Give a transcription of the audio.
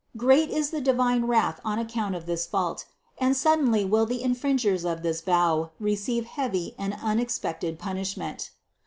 Great is the divine wrath on account of this fault, and suddenly will the infringers of this vow receive heavy and unexpected punishment.